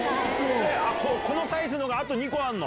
このサイズのがあと２個あんの？